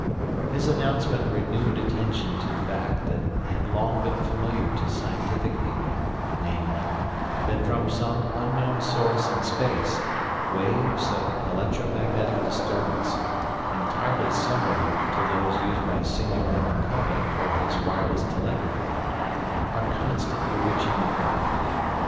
His announcement renewed attention to a fact that had long been familiar to scientific people, namely: that from some unknown source in space, waves of electromagnetic disturbance, entirely similar to those used by Signor Marconi for his wireless telegraphy, are constantly reaching the earth.